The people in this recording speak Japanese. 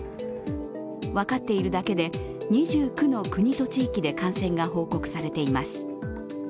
分かっているだけで２９の国と地域で感染が報告されています。